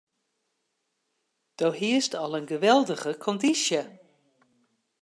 Doe hiest al in geweldige kondysje.